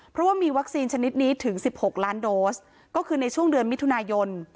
เพราะว่ามีวัคซีนชนิดนี้ถึง๑๖ล้านโดสก็คือในช่วงเดือนมิถุนายน